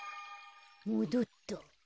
もどった。